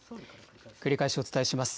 繰り返しお伝えします。